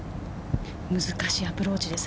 難しいアプローチです。